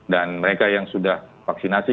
dan mereka yang sudah divaksinasi